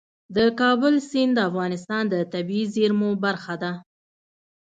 د کابل سیند د افغانستان د طبیعي زیرمو برخه ده.